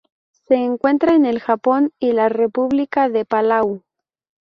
Se encuentra en el Japón y la República de Palau.